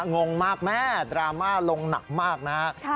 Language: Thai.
งงมากแม่ดราม่าลงหนักมากนะครับ